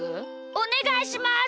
おねがいします！